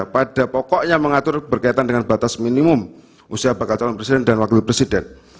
pada pokoknya mengatur berkaitan dengan batas minimum usia bakal calon presiden dan wakil presiden